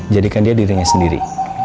jadikan dia dirinya sendiri